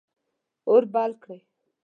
اور بل کړئ